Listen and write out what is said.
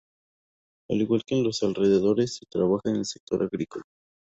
Al igual que en lo alrededores, se trabaja en el sector agrícola.